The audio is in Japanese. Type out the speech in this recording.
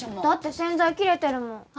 だって洗剤切れてるもん。